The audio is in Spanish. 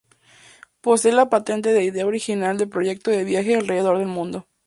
Posee la patente de idea original del proyecto de viaje alrededor del mundo.